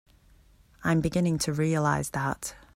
I'm beginning to realize that.